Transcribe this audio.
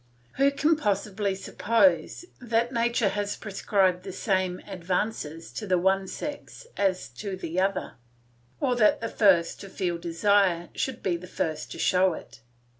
Who can possibly suppose that nature has prescribed the same advances to the one sex as to the other, or that the first to feel desire should be the first to show it?